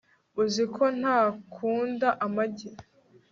Uzi ko ntakunda amagi